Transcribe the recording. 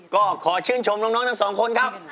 ก็ขอชื่นชมน้องทั้งสองคนครับ